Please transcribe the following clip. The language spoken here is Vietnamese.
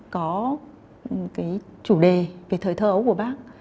có cái chủ đề về thời thơ ấu của bác